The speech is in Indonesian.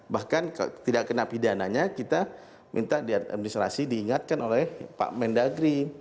bahkan tidak kena pidananya kita minta di administrasi diingatkan oleh pak mendagri